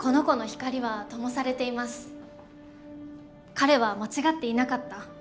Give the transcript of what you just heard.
彼は間違っていなかった。